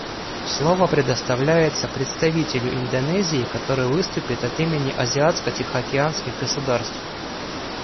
Слово предоставляется представителю Индонезии, который выступит от имени азиатско-тихоокеанских государств.